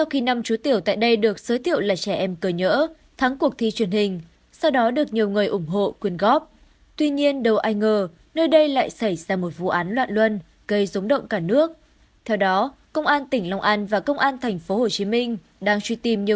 hãy đăng ký kênh để ủng hộ kênh của chúng mình nhé